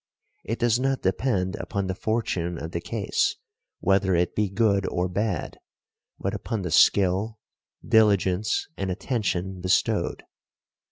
It does not depend upon the fortune of the case whether it be good or bad, but upon the skill, diligence and attention bestowed.